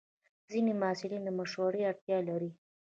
ځینې محصلین د مشورې اړتیا لري.